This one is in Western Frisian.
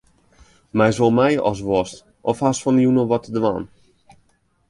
Meist wol mei ast wolst of hast fan 'e jûn al wat te dwaan?